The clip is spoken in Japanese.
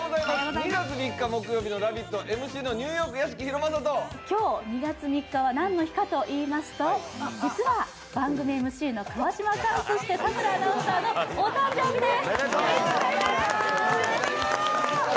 ２月３日木曜日の「ラヴィット！」、ＭＣのニューヨーク・屋敷と今日２月３日は何の日かと言いますと、実は番組ＭＣ・川島さん、そして田村さんのお誕生日です。